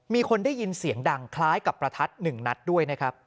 มีคนได้ยินเสียงดังคล้ายกับประทัด๑นัดด้วยนะครับ